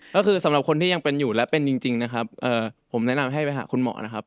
ก็คือสำหรับคนที่ยังเป็นอยู่และเป็นจริงนะครับผมแนะนำให้ไปหาคุณหมอนะครับ